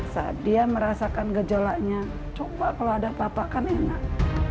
saat dia merasakan gejolaknya coba kalau ada papa kan enak